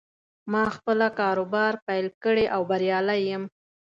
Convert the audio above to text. ما خپله کاروبار پیل کړې او بریالی یم